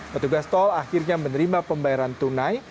petugas tol akhirnya menerima pembayaran tunai